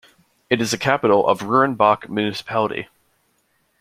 It is the capital of Rurrenabaque Municipality.